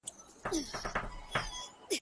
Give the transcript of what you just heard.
نن یې په ساحل کي د توپان حماسه ولیکه-